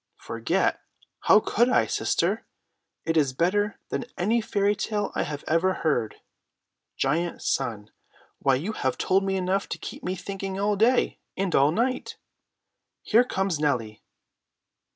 "Forget! how could I, sister? It is better than any fairy tale I have ever heard. Giant Sun! Why you have told me enough to keep me thinking all day and all night. Here comes Nellie.